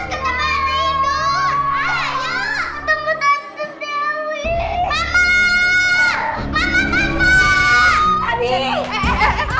ayo kamu harus ke tempat tidur